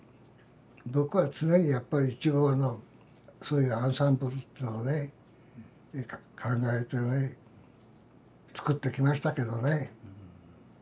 僕は常にやっぱり１号のそういうアンサンブルっていうのをね考えてね作ってきましたけどね。